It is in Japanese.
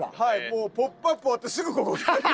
もう『ポップＵＰ！』終わってすぐここに。